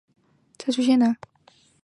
这个名称也是后来才出现的。